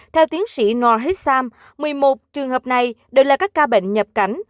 theo tiến sĩ noor hissam một mươi một trường hợp này đều là các ca bệnh nhập cảnh